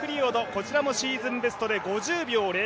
こちらもシーズンベストで５０秒０５。